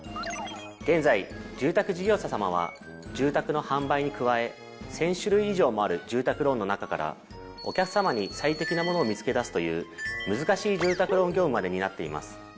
現在住宅事業者さまは住宅の販売に加え１０００種類以上もある住宅ローンの中からお客さまに最適なものを見つけ出すという難しい住宅ローン業務まで担っています。